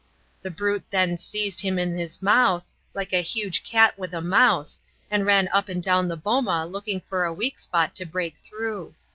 The brute then seized him in his mouth, like a huge cat with a mouse, and ran up and down the boma looking for a weak spot to break through.